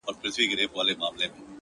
څه رنګه سپوږمۍ ده له څراغه يې رڼا وړې-